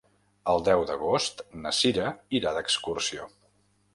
El deu d'agost na Cira irà d'excursió.